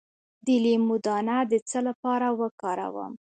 د لیمو دانه د څه لپاره وکاروم؟